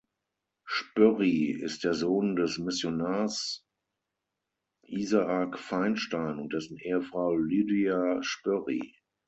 Spoerri ist der Sohn des Missionars Isaac Feinstein und dessen Ehefrau Lydia Spoerri.